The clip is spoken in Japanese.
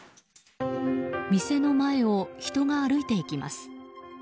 店の前を人が歩いていきます。